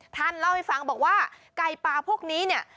ท่านเล่าให้ฟังบอกว่าไก่ป่าพวกนี้เนี่ย